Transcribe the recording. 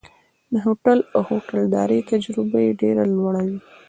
د هوټل او هوټلدارۍ تجربه یې ډېره لوړه وه.